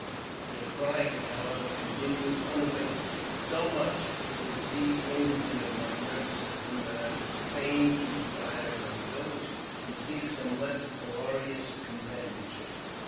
Their crying, however, continued unabated, so much to the derange ment of my nervous system that I was fain to retire from the village and seek some less dolorous companionship.